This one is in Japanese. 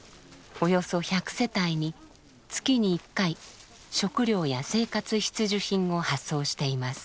およそ１００世帯に月に１回食料や生活必需品を発送しています。